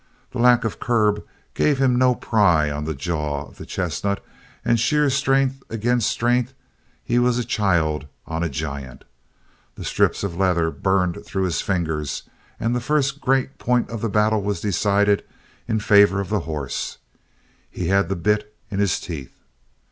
The lack of curb gave him no pry on the jaw of the chestnut and sheer strength against strength he was a child on a giant. The strips of leather burned through his fingers and the first great point of the battle was decided in favor of the horse: he had the bit in his teeth.